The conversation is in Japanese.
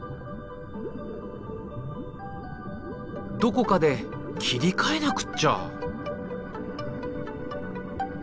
どこかで切り替えなくっちゃ。